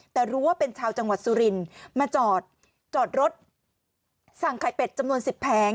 แต่รู้ว่าเป็นชาวจังหวัดสุรินมาจอดจอดรถสั่งไข่เป็ดจำนวน๑๐แผง